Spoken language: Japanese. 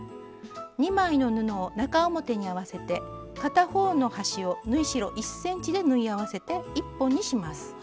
２枚の布を中表に合わせて片方の端を縫い代１ｃｍで縫い合わせて１本にします。